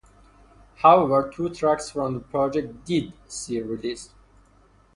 However, two tracks from the project did see release.